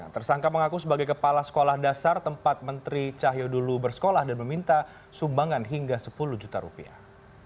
tersangka mengaku sebagai kepala sekolah dasar tempat menteri cahyo dulu bersekolah dan meminta sumbangan hingga sepuluh juta rupiah